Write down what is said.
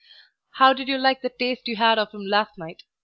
how did you like the taste you had of him last night?